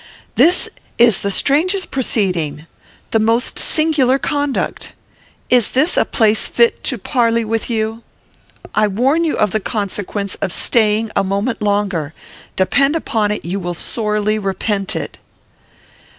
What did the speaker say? "This is the strangest proceeding! the most singular conduct! Is this a place fit to parley with you? I warn you of the consequence of staying a moment longer. Depend upon it, you will sorely repent it."